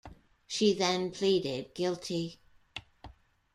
She then pleaded guilty.